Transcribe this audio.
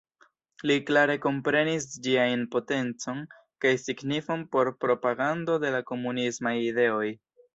Li klare komprenis ĝiajn potencon kaj signifon por propagando de la komunismaj ideoj.